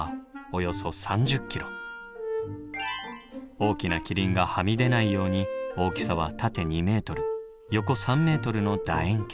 大きなキリンがはみ出ないように大きさは縦２ｍ横３ｍのだ円形。